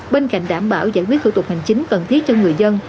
bên cạnh đảm bảo giải quyết thủ tục hành chính cần thiết cho người dân